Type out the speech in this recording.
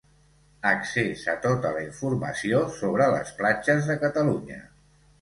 Accés a tota la informació sobre les platges de Catalunya.